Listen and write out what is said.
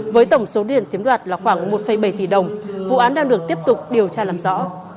với tổng số tiền chiếm đoạt là khoảng một bảy tỷ đồng vụ án đang được tiếp tục điều tra làm rõ